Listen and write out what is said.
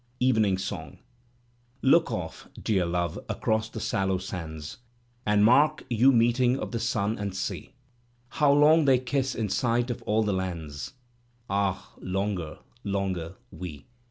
EVENING BONG Look off, dear Love, across the sallow sands. And mark yon meeting of the sun and sea. How long they kiss in sight of all the lands. Ah! longer, longer, we.